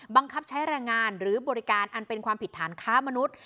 บังคับใช้แรงงานหรือบริการอันเป็นความผิดฐานค้ามนุษย์